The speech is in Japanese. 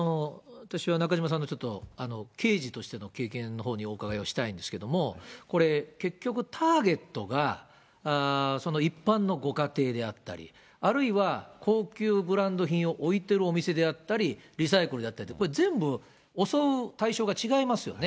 私は中島さんのちょっと、刑事としての経験のほうにお伺いをしたいんですけれども、これ、結局、ターゲットが一般のご家庭であったり、あるいは高級ブランド品を置いているお店であったり、リサイクルであったりと、これ、全部、襲う対象が違いますよね。